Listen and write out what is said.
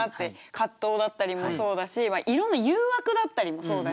葛藤だったりもそうだしいろんな誘惑だったりもそうだし。